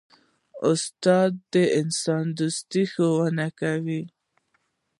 استاد د انسان دوستي ښوونه کوي.